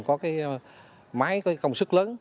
có cái máy công sức lớn